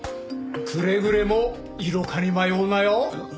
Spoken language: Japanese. くれぐれも色香に迷うなよ。